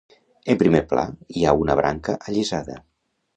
En primer pla hi ha una branca allisada.